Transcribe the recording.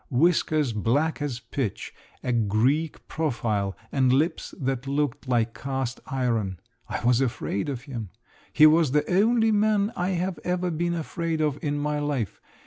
Whiskers black as pitch, a Greek profile, and lips that looked like cast iron! I was afraid of him! He was the only man I have ever been afraid of in my life.